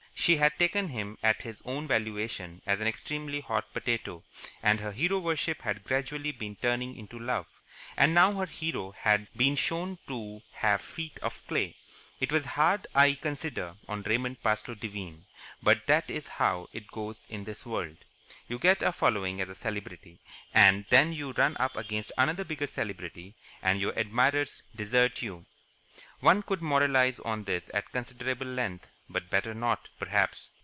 She had taken him at his own valuation as an extremely hot potato, and her hero worship had gradually been turning into love. And now her hero had been shown to have feet of clay. It was hard, I consider, on Raymond Parsloe Devine, but that is how it goes in this world. You get a following as a celebrity, and then you run up against another bigger celebrity and your admirers desert you. One could moralize on this at considerable length, but better not, perhaps.